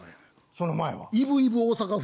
その前は？